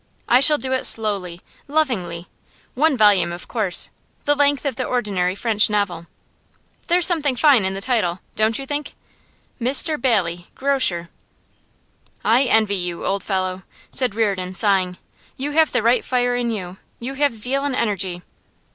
I shall do it slowly, lovingly. One volume, of course; the length of the ordinary French novel. There's something fine in the title, don't you think? "Mr Bailey, Grocer"!' 'I envy you, old fellow,' said Reardon, sighing. 'You have the right fire in you; you have zeal and energy.